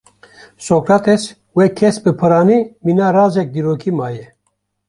Sokrates wek kes bi piranî mîna razek dîrokî maye.